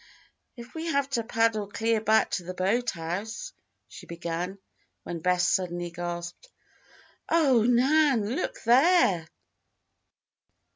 "If we have to paddle clear back to the boathouse," she began, when Bess suddenly gasped: "Oh, Nan! Look there!"